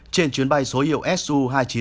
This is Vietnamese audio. trên chuyến bay số hiệu su hai trăm chín mươi